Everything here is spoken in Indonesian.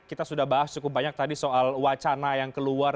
kita sudah bahas cukup banyak tadi soal wacana yang keluar